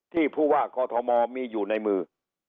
ที่คทมีอยู่ในมือ